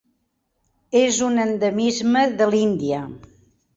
És un endemisme de l'Índia.